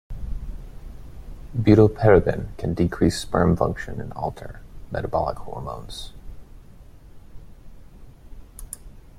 Butylparaben can decrease sperm function and alter metabolic hormones.